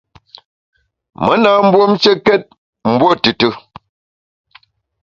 Me na mbuomshekét mbuo tùtù.